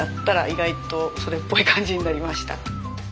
意外とそれっぽい感じになりました。